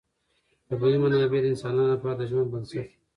طبیعي منابع د انسانانو لپاره د ژوند بنسټ دی.